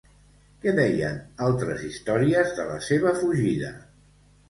Què deien altres històries de la seva fugida?